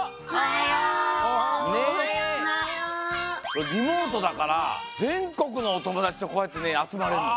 これリモートだからぜんこくのおともだちとこうやってねあつまれるの。